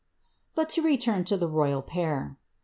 ] But to return to the royal pair.